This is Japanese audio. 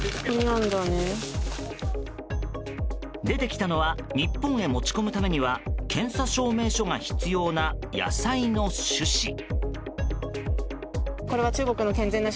出てきたのは日本へ持ち込むためには検査証明書が必要な野菜の種子。